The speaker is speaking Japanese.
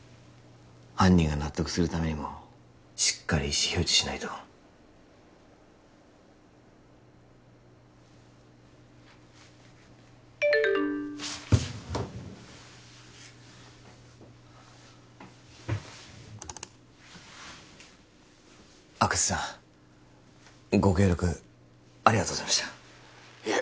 犯人が納得するためにもしっかり意思表示しないと阿久津さんご協力ありがとうございましたいえ